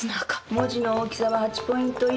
文字の大きさは８ポイント以上。